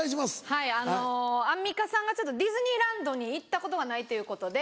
はいアンミカさんがディズニーランドに行ったことがないっていうことで。